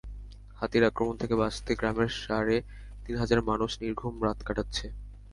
হাতির আক্রমণ থেকে বাঁচতে গ্রামের সাড়ে তিন হাজার মানুষ নির্ঘুম রাত কাটাচ্ছে।